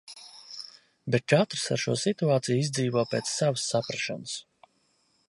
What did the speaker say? Bet katrs ar šo situāciju izdzīvo pēc savas saprašanas.